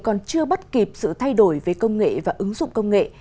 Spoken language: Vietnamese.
còn chưa bắt kịp sự thay đổi về công nghệ